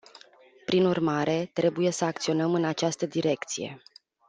Prin urmare, trebuie să acționăm în această direcție.